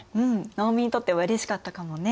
農民にとってはうれしかったかもね。